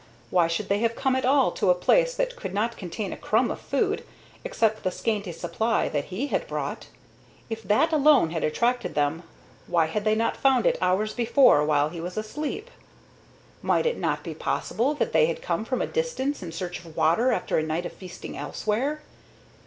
Why should they have come at all to a place that could not contain a crumb of food, except the scanty supply that he had brought? If that alone had attracted them, why had they not found it hours before, while he was asleep? Might it not be possible that they had come from a distance in search of water after a night of feasting elsewhere?